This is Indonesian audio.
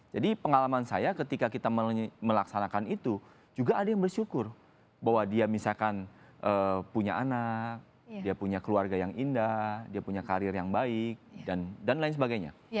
jadi pengalaman saya ketika kita melaksanakan itu juga ada yang bersyukur bahwa dia misalkan punya anak dia punya keluarga yang indah dia punya karir yang baik dan lain sebagainya